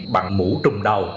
bằng mũ trùng đầu